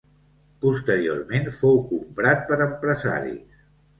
Posteriorment fou comprat per empresaris.